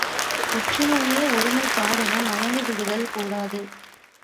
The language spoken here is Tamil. ஒற்றுமையே ஒருமைப்பாடென மயங்கிவிடுதல் கூடாது.